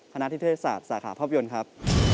นิเทศศาสตร์สาขาภาพยนตร์ครับ